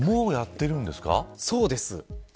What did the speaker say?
そうです。